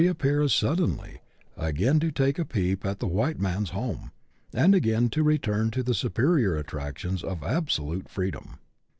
appear as suddenly, again to take a peep at the white man's home, and again to return to the superior attractions of absolute freedom.